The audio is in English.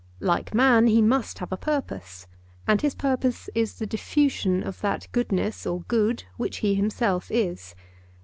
Like man, he must have a purpose; and his purpose is the diffusion of that goodness or good which he himself is.